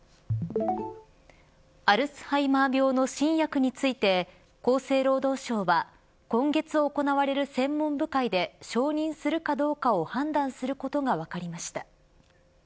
アルツハイマー病の新薬について厚生労働省は今月行われる専門部会で承認するかどうかを判断することが分かりました。